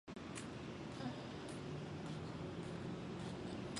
例如破伤风类毒素是由破伤风梭菌分泌的所制备。